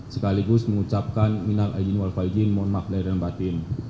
sekaligus mengucapkan minal ajin wal fa ijin mohon maaf lahirin batin